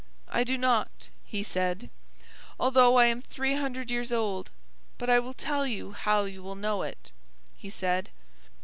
"I do not," he said, "although I am three hundred years old; but I will tell you how you will know it," he said.